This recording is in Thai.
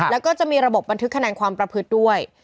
แล้วก็จะมีระบบบันทึกคะแนนความประพฤติด้วย